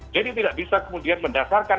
jadi tidak bisa kemudian mendasarkan